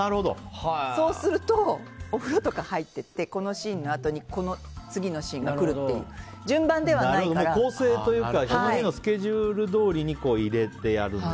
そうするとお風呂とか入っててこのシーンのあとにこの次のシーンが来るっていう構成というかその日のスケジュールどおりに入れてやると。